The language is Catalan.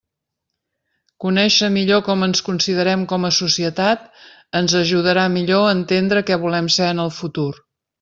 Conéixer millor com ens considerem com a societat ens ajudarà millor a entendre què volem ser en el futur.